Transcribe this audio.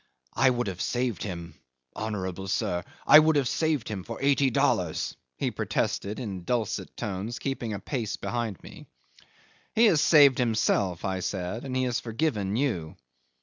"I would have saved him, honourable sir! I would have saved him for eighty dollars," he protested in dulcet tones, keeping a pace behind me. "He has saved himself," I said, "and he has forgiven you."